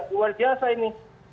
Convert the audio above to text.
luar biasa ini